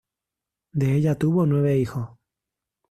De ella tuvo nueve hijos.